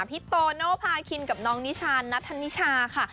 พี่โตโนภาคินกับน้องนิชานัทธนิชาค่ะ